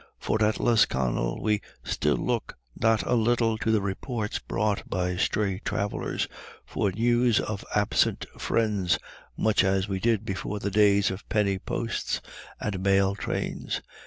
For at Lisconnel we still look not a little to the reports brought by stray travellers for news of absent friends, much as we did before the days of penny posts and mail trains.